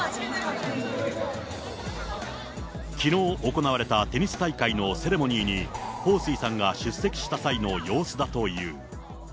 きのう行われたテニス大会のセレモニーに、彭帥さんが出席した際の様子だという。